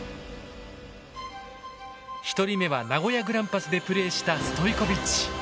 １人目は名古屋グランパスでプレーしたストイコビッチ。